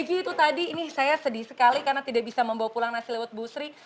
gigi itu tadi ini saya sedih sekali karena tidak bisa membawa pulang nasi lewat busri